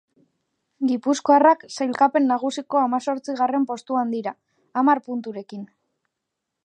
Gipuzkoarrak sailkapen nagusiko hamazortzigarren postuan dira, hamar punturekin.